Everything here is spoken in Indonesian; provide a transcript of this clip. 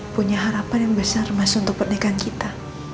punya harapan yang besar mas untuk pernikahan kita